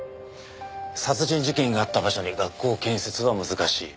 殺人事件があった場所に学校建設は難しい。